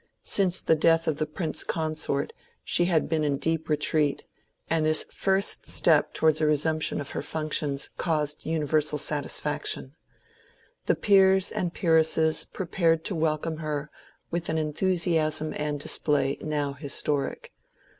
Since the death of the Prince Consort she had been in deep retreat, and this first step towards a resumption of her func tions caused universal satisfaction. The peers and peeresses prepared to welcome her with an enthusiasm and display now historic.